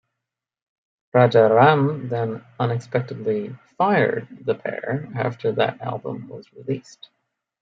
Raja Ram then unexpectedly 'fired' the pair after that album was released.